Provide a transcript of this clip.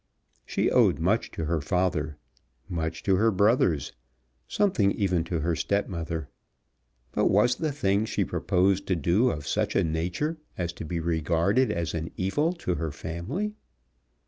She owed much to her father, much to her brothers, something even to her stepmother. But was the thing she proposed to do of such a nature as to be regarded as an evil to her family?